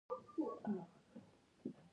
ريسک نامربوطه قېمتونه تخنيکي انتخابونو راجع کوو.